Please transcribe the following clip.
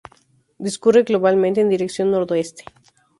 Discurre globalmente en dirección nordeste.